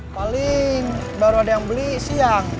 paling baru ada yang beli siang